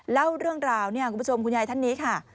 เล่าเรื่องราวเนี่ยคุณผู้ชมคุณยายท่านนี้ค่ะ